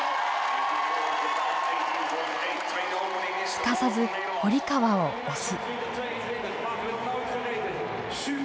すかさず堀川を押す。